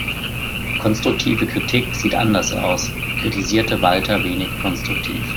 Konstruktive Kritik sieht anders aus, kritisierte Walter wenig konstruktiv.